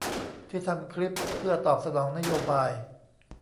ที่ทำคลิปเพื่อตอบสนองนโยบาย